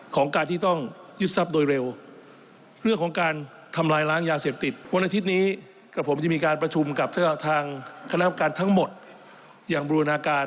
ก็ยิมกลับทางชาติพรรภการทั้งหมดอย่างบรุณาการ